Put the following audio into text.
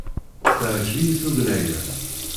Teɛjeb-iyi tugna-a.